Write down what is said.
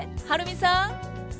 はるみさん。